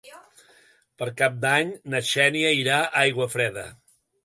Per Cap d'Any na Xènia irà a Aiguafreda.